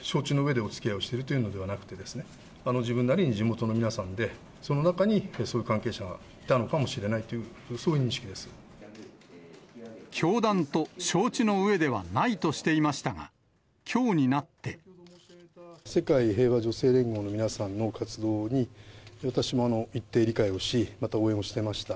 承知のうえでおつきあいをしているというのではなくて、自分なりに地元の皆さんで、その中にそういう関係者がいたのかもしれないという、教団と承知のうえではないと世界平和女性連合の皆さんの活動に、私も一定理解をし、また応援をしてました。